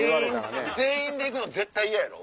全員で行くの絶対嫌やろ。